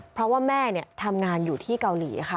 เพราะว่าแม่ทำงานอยู่ที่เกาหลีค่ะ